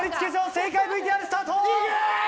正解ＶＴＲスタート！